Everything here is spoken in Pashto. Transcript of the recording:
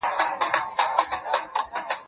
زه له سهاره بازار ته ځم؟!